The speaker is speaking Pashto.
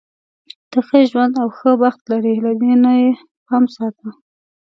ته ښه ژوند او ښه بخت لری، له دې نه یې پام ساته.